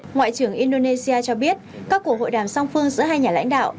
ngoại trưởng indonesia cho biết các cuộc hội đàm song phương giữa hai nhà lãnh đạo